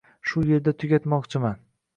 Shu yerda tugatmoqchiman